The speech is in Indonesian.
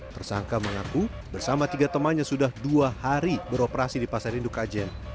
tersangka mengaku bersama tiga temannya sudah dua hari beroperasi di pasar indukajen